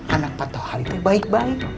anak patuh hari baik baik